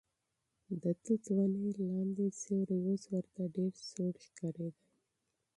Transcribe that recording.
د توت ونې لاندې سیوری اوس ورته ډېر سوړ ښکارېده.